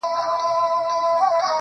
اوس په لمانځه کي دعا نه کوم ښېرا کومه,